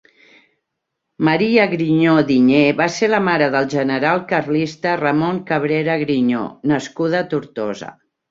María Griñó Diñé va ser la mare del general carlista Ramón Cabrera Griñó, nascuda a Tortosa.